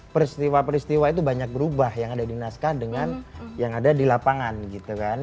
peristiwa peristiwa itu banyak berubah yang ada di naskah dengan yang ada di lapangan gitu kan